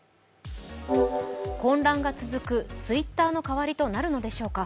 混乱が続くＴｗｉｔｔｅｒの代わりとなるのでしょうか。